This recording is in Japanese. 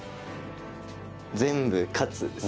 「全部勝つ」です。